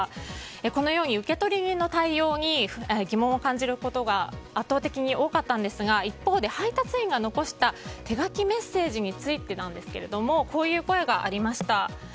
このように受取人の対応に疑問を感じることが圧倒的に多かったんですが一方で配達員が残した手書きメッセージについてなんですがこういう声がありました。